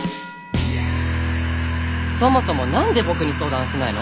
そもそも何でボクに相談しないの？